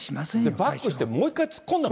バックしてもう一回突っ込んでる。